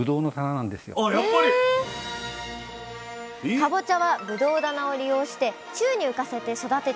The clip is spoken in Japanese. かぼちゃはぶどう棚を利用して宙に浮かせて育てていたんです。